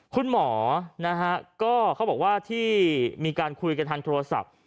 คุณหมอนะฮะก็เขาบอกว่าที่มีการคุยกันทางโทรศัพท์